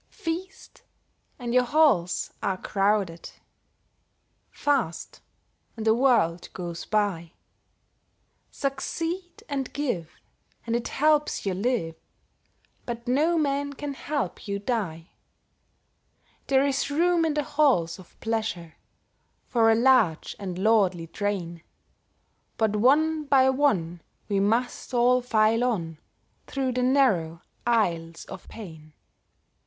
Feast, and your halls are crowded; Fast, and the world goes by. Succeed and give, and it helps you live, But no man can help you die. There is room in the halls of pleasure For a large and lordly train, But one by one we must all file on Through the narrow aisles of pain.